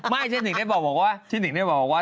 ไม่ฉันถึงได้บอกว่าฉันถึงได้บอกว่า